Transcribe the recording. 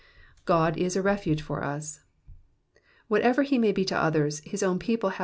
*'G^<?<f is a refuge for t«." Whatever he may be to others, his own people have.